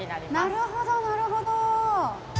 なるほどなるほど。